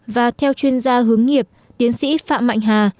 và theo chuyên gia hướng nghiệp tiến sĩ phạm mạnh hà